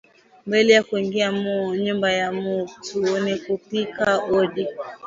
Mbele ya kuingia mu nyumba ya mutu ni kupika odi